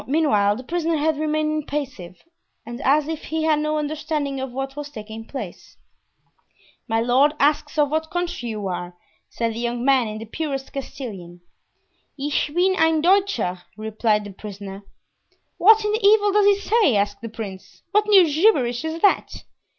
Meanwhile the prisoner had remained impassive and as if he had no understanding of what was taking place. "My lord asks of what country you are," said the young man, in the purest Castilian. "Ich bin ein Deutscher," replied the prisoner. "What in the devil does he say?" asked the prince. "What new gibberish is that?"